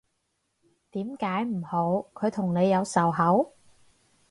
點解唔好，佢同你有仇口？